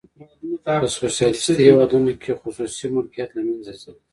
په سوسیالیستي هیوادونو کې خصوصي ملکیت له منځه ځي.